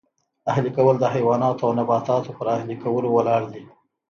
اهلي کول د حیواناتو او نباتاتو پر اهلي کولو ولاړ دی